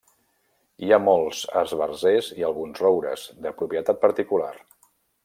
Hi ha molts esbarzers i alguns roures, de propietat particular.